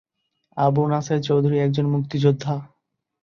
আবু নাসের চৌধুরী একজন মুক্তিযুদ্ধা।